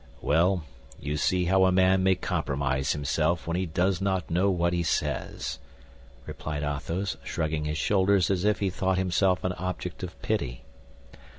"Well, you see how a man may compromise himself when he does not know what he says," replied Athos, shrugging his shoulders as if he thought himself an object of pity.